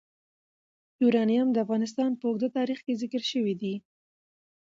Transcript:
یورانیم د افغانستان په اوږده تاریخ کې ذکر شوی دی.